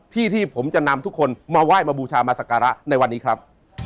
ที่ที่ผมจะนำทุกคนมาไหว้มาบูชามาสักการะในวันนี้ครับ